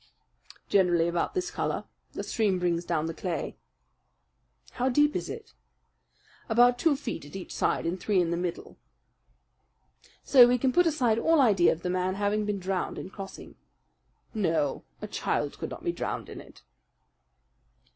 "Generally about this colour. The stream brings down the clay." "How deep is it?" "About two feet at each side and three in the middle." "So we can put aside all idea of the man having been drowned in crossing." "No, a child could not be drowned in it."